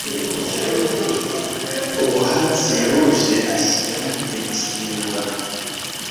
Ubuhatsi buje ashyira i Musimba.